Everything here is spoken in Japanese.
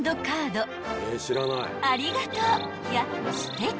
［「ありがとう！」や「すてき！」